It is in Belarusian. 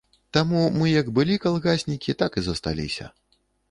Таму мы як былі калгаснікі, так і засталіся.